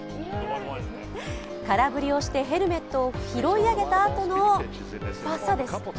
空振りをしてヘルメットを拾い上げた後のふぁさです。